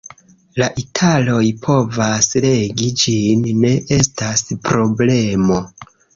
La italoj povas legi ĝin; ne estas problemo.